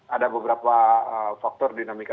ada beberapa faktor dinamikasi